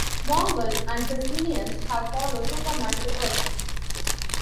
Mongul and his minions have followed Superman to Earth.